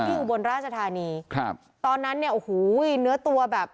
อุบลราชธานีครับตอนนั้นเนี่ยโอ้โหเนื้อตัวแบบ